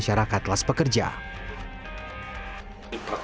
pertama dengan beberapa ingin pemerintah bercakap